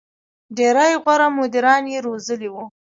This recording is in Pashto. • ډېری غوره مدیران یې روزلي وو.